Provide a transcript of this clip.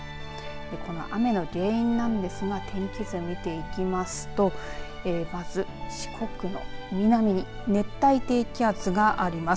この雨の原因なんですが天気図見ていきますとまず四国の南熱帯低気圧があります。